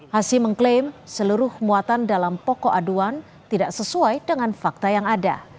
hasim mengklaim seluruh muatan dalam pokok aduan tidak sesuai dengan fakta yang ada